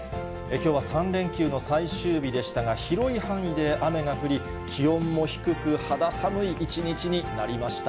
きょうは３連休の最終日でしたが、広い範囲で雨が降り、気温も低く、肌寒い一日になりました。